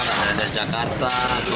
ada yang dari jakarta